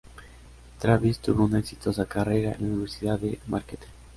Travis tuvo una exitosa carrera en la Universidad de Marquette.